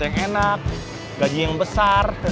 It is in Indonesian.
yang enak gaji yang besar